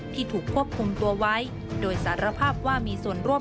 ถูกควบคุมตัวไว้โดยสารภาพว่ามีส่วนร่วม